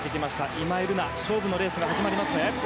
今井月の勝負のレースが始まりますね。